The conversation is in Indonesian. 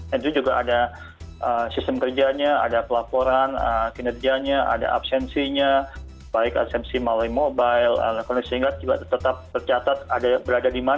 dan itu juga ada sistem kerjanya ada pelaporan kinerjanya ada absensinya baik absensi malai mobile sehingga tetap tercatat berada di mana